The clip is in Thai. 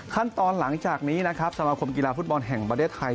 หลังจากนี้นะครับสมาคมกีฬาฟุตบอลแห่งประเทศไทย